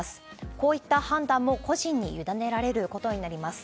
こういった判断も、個人に委ねられることになります。